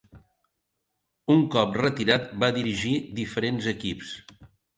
Un cop retirat va dirigir diferents equips.